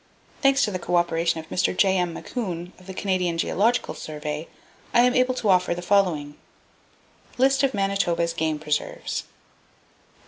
Thanks to the cooperation of Mr. J.M. Macoun, of the Canadian Geological Survey, I am able to offer the following: List Of Manitoba's Game Preserves Sq.